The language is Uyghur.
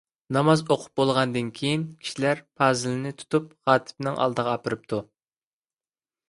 ناماز ئوقۇلۇپ بولغاندىن كېيىن، كىشىلەر پازىلنى تۇتۇپ خاتىپنىڭ ئالدىغا ئاپىرىپتۇ.